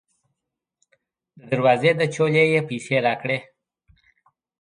د دروازې له چولې یې پیسې راکړې.